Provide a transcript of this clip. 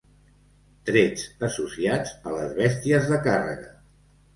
Trets associats a les bèsties de càrrega.